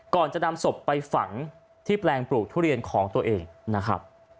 ก่อนจะนำศพไปฝังที่แปลงปลูกทุเรียนของตัวเองนะครับ